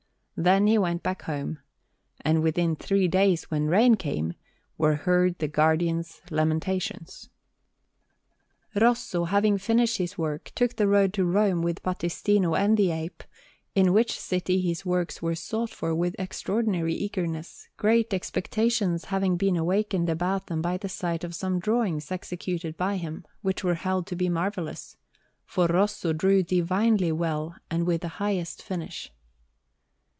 Then he went back home; and within three days, when rain came, were heard the Guardian's lamentations. Rosso, having finished his works, took the road to Rome with Battistino and the ape; in which city his works were sought for with extraordinary eagerness, great expectations having been awakened about them by the sight of some drawings executed by him, which were held to be marvellous, for Rosso drew divinely well and with the highest finish.